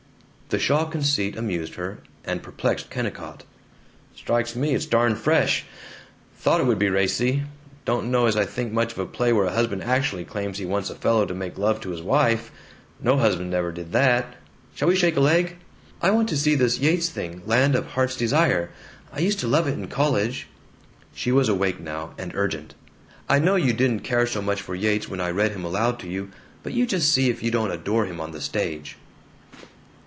The Shaw conceit amused her, and perplexed Kennicott: "Strikes me it's darn fresh. Thought it would be racy. Don't know as I think much of a play where a husband actually claims he wants a fellow to make love to his wife. No husband ever did that! Shall we shake a leg?" "I want to see this Yeats thing, 'Land of Heart's Desire.' I used to love it in college." She was awake now, and urgent. "I know you didn't care so much for Yeats when I read him aloud to you, but you just see if you don't adore him on the stage."